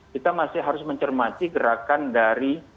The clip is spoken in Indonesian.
kita masih harus mencermati gerakan dari